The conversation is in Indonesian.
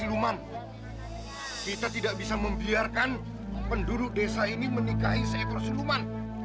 siluman kita tidak bisa membiarkan penduduk desa ini menikahi seekor siluman